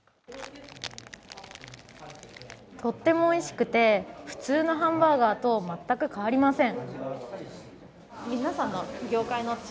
とってもおいしくて、普通のハンバーガーと全く変わりません。